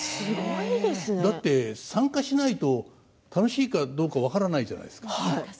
だって参加しないと楽しいかどうか分からないじゃないですか。